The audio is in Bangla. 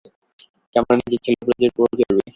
চামড়ার নীচে ছিল প্রচুর পুরু চর্বি।